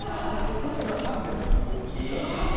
去年は３１１泊しました。